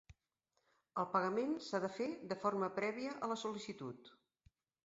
El pagament s'ha de fer de forma prèvia a la sol·licitud.